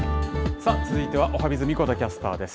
さあ、続いてはおはＢｉｚ、神子田キャスターです。